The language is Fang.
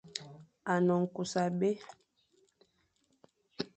A ne nkus abé.